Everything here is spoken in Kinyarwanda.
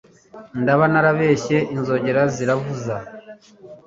naba naribeshye inzogera ziravuza